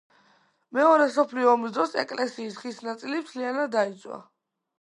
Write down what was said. მეორე მსოფლიო ომის დროს ეკლესიის ხის ნაწილი მთლიანად დაიწვა.